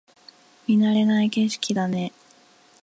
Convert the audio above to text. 見慣れない景色だね